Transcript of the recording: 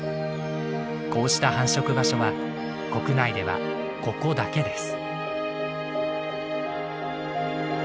こうした繁殖場所は国内ではここだけです。